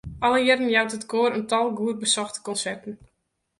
Alle jierren jout it koar in tal goed besochte konserten.